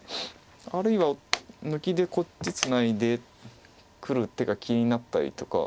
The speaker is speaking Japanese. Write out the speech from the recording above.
あるいは抜きでこっちツナいでくる手が気になったりとか。